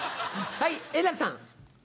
はい円楽さん。